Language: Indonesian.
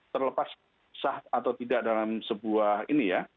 terlepas sah atau tidak dalam sebuah ini ya